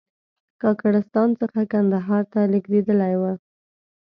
کاکړستان څخه کندهار ته لېږدېدلی و.